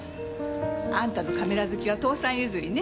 あんたのカメラ好きは父さん譲りね。